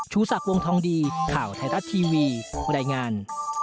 ชูศักดิ์วงทองดีข่าวไทยรัฐทีวีรายงาน